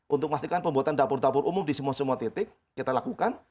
untuk memastikan pembuatan dapur dapur umum di semua semua titik kita lakukan